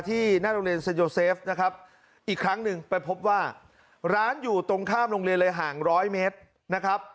หน้าโรงเรียนเซ็นโยเซฟนะครับอีกครั้งหนึ่งไปพบว่าร้านอยู่ตรงข้ามโรงเรียนเลยห่างร้อยเมตรนะครับ